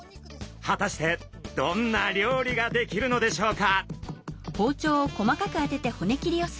果たしてどんな料理が出来るのでしょうか？